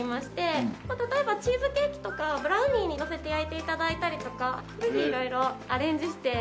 例えばチーズケーキとかブラウニーにのせて焼いて頂いたりとかぜひ色々アレンジして。